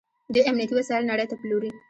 دوی امنیتي وسایل نړۍ ته پلوري.